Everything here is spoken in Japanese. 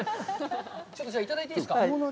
ちょっとじゃあ、頂いていいですか？